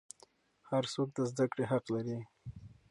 هر څوک د زده کړې حق لري.